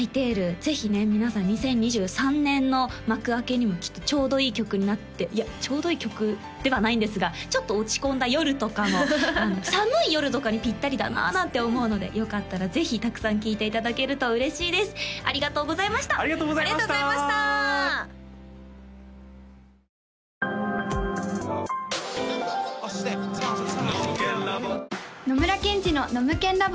ぜひね皆さん２０２３年の幕開けにもきっとちょうどいい曲になっていやちょうどいい曲ではないんですがちょっと落ち込んだ夜とかの寒い夜とかにピッタリだななんて思うのでよかったらぜひたくさん聴いていただけると嬉しいですありがとうございましたありがとうございました野村ケンジのノムケンＬａｂ！